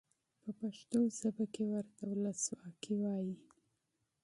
په پښتو ژبه کې ورته ولسواکي وایي.